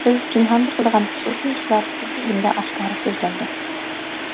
بىز پىنھاندا قىلىدىغان خۇسۇسىي ئىشلار تېببىي ئىلىمدە ئاشكارا سۆزلىنىدۇ.